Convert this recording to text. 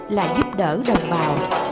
là giúp đỡ đồng bào